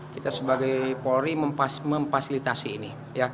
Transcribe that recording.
kita sebagai polri memfasilitasi ini